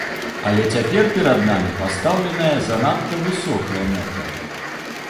Але цяпер перад намі пастаўленая занадта высокая мэта.